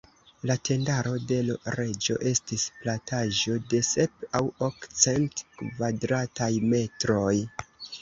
La tendaro de l' Reĝo estis plataĵo da sep- aŭ ok-cent kvadrataj metroj.